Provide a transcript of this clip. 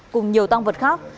cùng nhiều tăng vật khác